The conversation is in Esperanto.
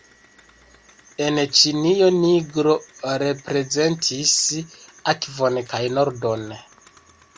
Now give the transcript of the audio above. En Ĉinio nigro reprezentis akvon kaj nordon.